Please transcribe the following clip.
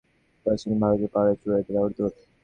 প্রাচীন ভারতে, পাহাড়ের চূড়ায় এটা ব্যবহার করত।